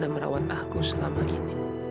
dan merawat aku selama ini